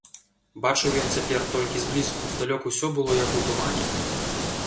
Бачыў ён цяпер толькі зблізку, здалёк усё было як у тумане.